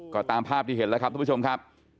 ก็ตามภาพที่เห็นแล้วครับทุกผู้ชมครับ